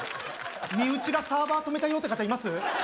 身内がサーバー止めたよって方います？